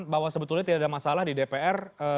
bahwa sebetulnya tidak ada masalah di dpr